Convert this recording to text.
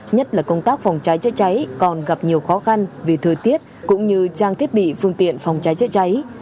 nhất là công tác phòng trái chế cháy còn gặp nhiều khó khăn vì thời tiết cũng như trang thiết bị phương tiện phòng trái chế cháy